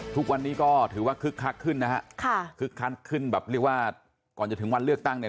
ทุกวันนี้ก็ถือว่าคึกคักขึ้นนะฮะค่ะคึกคักขึ้นแบบเรียกว่าก่อนจะถึงวันเลือกตั้งเนี่ย